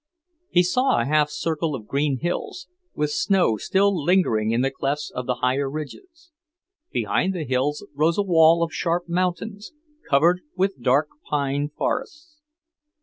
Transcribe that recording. He saw a half circle of green hills, with snow still lingering in the clefts of the higher ridges; behind the hills rose a wall of sharp mountains, covered with dark pine forests.